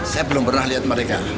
saya belum pernah lihat mereka